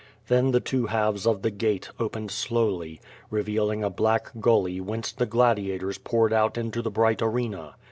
Then the two halves of the gate opened slowly, revealing a black gully whence the gladiators poured out into the bright arena.